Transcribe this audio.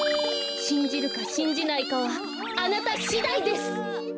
しんじるかしんじないかはあなたしだいです！